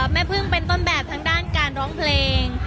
แม่พึ่งเป็นต้นแบบทางด้านการร้องเพลง